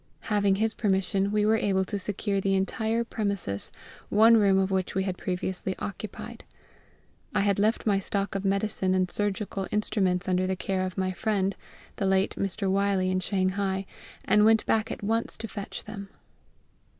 Having his permission, we were able to secure the entire premises, one room of which we had previously occupied. I had left my stock of medicine and surgical instruments under the care of my friend, the late Mr. Wylie, in Shanghai, and went back at once to fetch them.